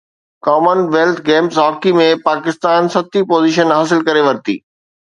ڪمن wealth games hockey ۾ Pakistan ستين position حاصل ڪري ورتي